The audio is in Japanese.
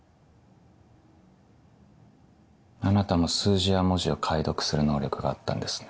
あなたも数字や文字を解読する能力があったんですね。